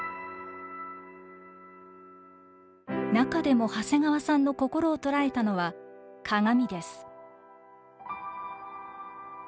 中でも長谷川さんの心を捉えたのは鏡です。